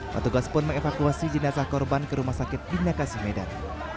patugas pun mengevakuasi jenazah korban ke rumah sakit di nekasimedan